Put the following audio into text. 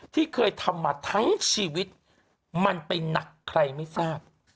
ที่เคยทำมาทั้งชีวิตมันไปหนักใครไม่ทราบ